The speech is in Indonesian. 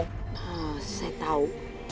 nah saya tahu